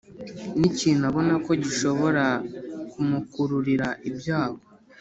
n’ikintu abona ko gishobora kumukururira ibyago